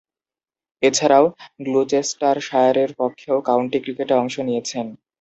এছাড়াও, গ্লুচেস্টারশায়ারের পক্ষেও কাউন্টি ক্রিকেটে অংশ নিয়েছেন।